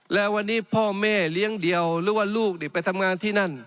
แล้ววันนี้พ่อแม่เลี้ยงเดี่ยวหรือว่าลูกไปทำงานที่นั่น